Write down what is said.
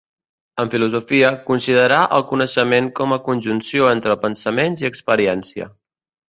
En filosofia, considerà el coneixement com a conjunció entre pensaments i experiència.